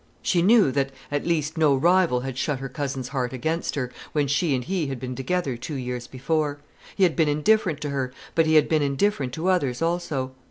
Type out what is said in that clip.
She knew that, at least, no rival had shut her cousin's heart against her, when she and he had been together two years before. He had been indifferent to her; but he had been indifferent to others also.